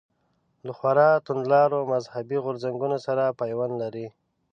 له خورا توندلارو مذهبي غورځنګونو سره پیوند لري.